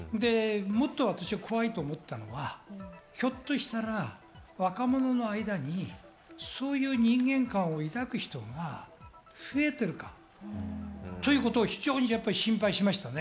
もっと私が怖いと思ったのはひょっとしたら若者の間にそういう人間感を抱く人が増えているかということを非常に心配しましたね。